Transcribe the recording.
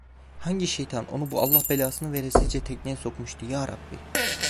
Hangi şeytan onu bu Allah belasını veresice tekneye sokmuştu yarabbi?